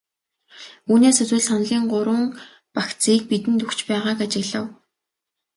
Үүнээс үзвэл саналын гурван багцыг бидэнд өгч байгааг ажиглав.